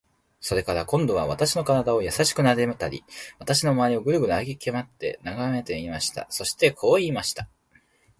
それから、今度は私の身体をやさしくなでたり、私のまわりをぐるぐる歩きまわって眺めていました。そしてこう言いました。